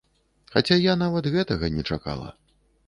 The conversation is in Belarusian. Хаця я нават гэтага не чакала.